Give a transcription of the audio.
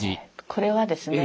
これはですね